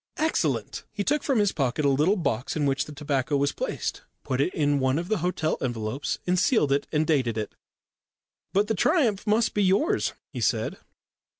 "Excellent." He took from his pocket a little box in which the tobacco was placed, put it in one of the hotel envelopes and sealed it and dated it. "But the triumph must be yours," he said.